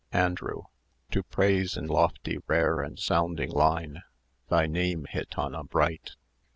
ANDREW To praise in lofty, rare, and sounding line Thy name, gitana bright!